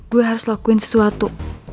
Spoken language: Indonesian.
gue harus lakuin sesuatu